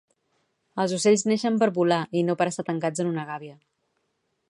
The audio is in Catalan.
Els ocells neixen per volar i no per estar tancats en una gàbia